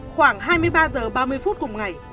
khoảng hai mươi ba h ba mươi phút cùng ngày